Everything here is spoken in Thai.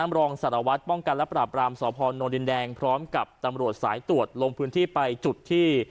รองสารวัตรป้องกันและปราบรามสพนดินแดงพร้อมกับตำรวจสายตรวจลงพื้นที่ไปจุดที่